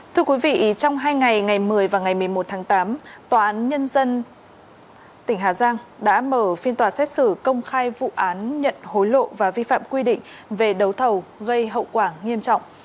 thưa quý vị trong hai ngày ngày một mươi và ngày một mươi một tháng tám tòa án nhân dân tỉnh hà giang đã mở phiên tòa xét xử công khai vụ án nhận hối lộ và vi phạm quy định về đấu thầu gây hậu quả nghiêm trọng